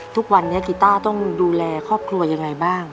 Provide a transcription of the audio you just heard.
ทุกวันนี้กีต้าต้องดูแลครอบครัวยังไงบ้าง